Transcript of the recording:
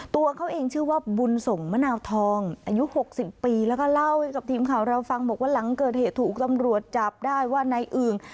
ตัวเขาเองชื่อว่าบุญส่งมะนาวทองอายุ๖๐ปีแล้วก็เล่าให้กับทีมข่าวเราฟังบอกว่าหลังเกิดเหตุถูกตำรวจจับได้ว่านายอึ่ง